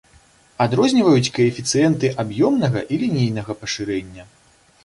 Адрозніваюць каэфіцыенты аб'ёмнага і лінейнага пашырэння.